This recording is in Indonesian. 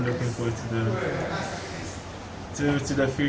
saya mencari kejayaan untuk masa depan